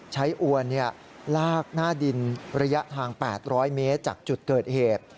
อวนลากหน้าดินระยะทาง๘๐๐เมตรจากจุดเกิดเหตุ